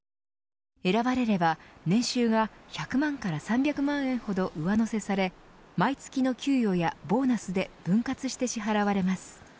選ばれれば年収が１００万から３００万円ほど上乗せされ毎月の給与やボーナスで分割して支払われます。